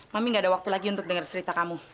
mami gak ada waktu lagi untuk dengar cerita kamu